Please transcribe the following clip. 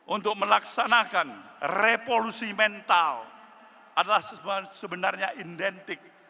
untuk melaksanakan revolusi mental adalah sebenarnya identik